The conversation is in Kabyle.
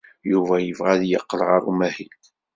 Yuba yebɣa ad yeqqel ɣer umahil.